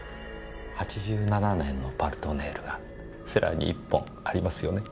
８７年の「パルトネール」がセラーに１本ありますよね？